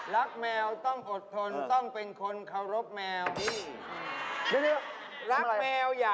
รักแมวต้องอดทนต้องเป็นคนเคารพแมว